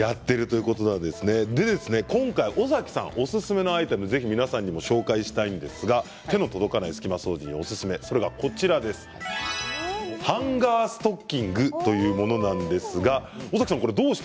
今回、尾崎さんおすすめのアイテムをぜひ皆さんにご紹介したいんですが手の届かない隙間掃除の隙間汚れの掃除におすすめハンガーストッキングというものです。